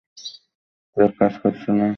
Truck কাজ করছে না, ড্যানি।